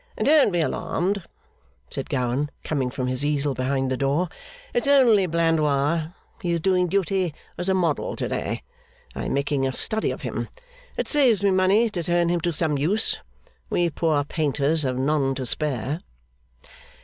'Don't be alarmed,' said Gowan, coming from his easel behind the door. 'It's only Blandois. He is doing duty as a model to day. I am making a study of him. It saves me money to turn him to some use. We poor painters have none to spare.